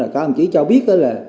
có ảnh chí cho biết